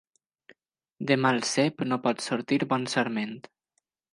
De mal cep no pot sortir bon sarment.